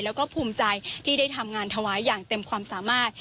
แล้วก็ภูมิใจที่ได้ทำงานถวายอย่างเต็มความสามารถ